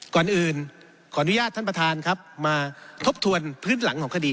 ก่อนอื่นขออนุญาตท่านประธานครับมาทบทวนพื้นหลังของคดี